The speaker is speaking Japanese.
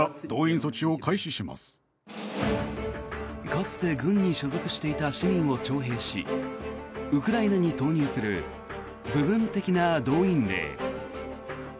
かつて軍に所属していた市民を徴兵しウクライナに投入する部分的な動員令。